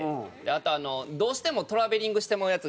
あとどうしてもトラベリングしてまうヤツがいて。